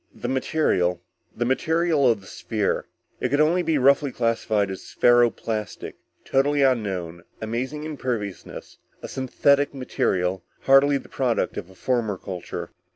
"The material ... the material of the sphere. It could only be roughly classified as ferro plastic. Totally unknown, amazing imperviousness. A synthetic material, hardly the product of a former culture."